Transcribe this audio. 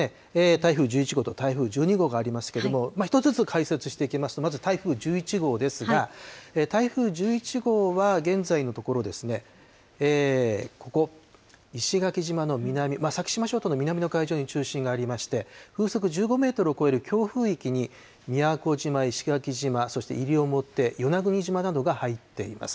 台風１１号と台風１２号がありますけれども、１つずつ解説していきますと、まず台風１１号ですが、台風１１号は現在のところですね、ここ、石垣島の南、先島諸島の南の海上に中心がありまして、風速１５メートルを超える強風域に宮古島、石垣島、そして西表、与那国島などが入っています。